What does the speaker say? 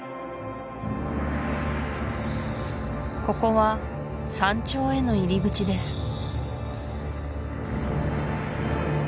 ここは山頂への入り口です